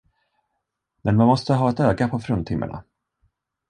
Men man måste ha ett öga på fruntimmerna.